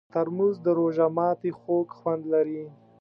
ترموز د روژه ماتي خوږ خوند لري.